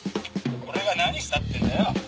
俺が何したってんだよ」